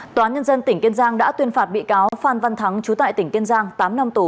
tòa nhân dân tỉnh kiên giang đã tuyên phạt bị cáo phan văn thắng chú tại tỉnh kiên giang tám năm tù